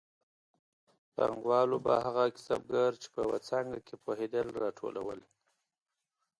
پانګوالو به هغه کسبګر چې په یوه څانګه کې پوهېدل راټولول